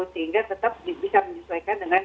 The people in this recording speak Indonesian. sehingga tetap bisa menyesuaikan dengan